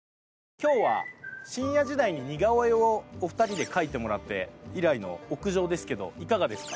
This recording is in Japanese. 今日は深夜時代に似顔絵をお二人で描いてもらって以来の屋上ですけどいかがですか？